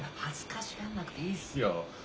恥ずかしがんなくていいっすよ。